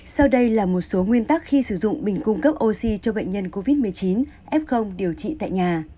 sau đây là một số nguyên tắc khi sử dụng bình cung cấp oxy cho bệnh nhân covid một mươi chín f điều trị tại nhà